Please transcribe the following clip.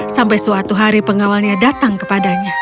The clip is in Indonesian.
sampai suatu hari pengawalnya datang kepadanya